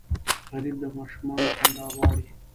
غریب د ماشومانو خندا غواړي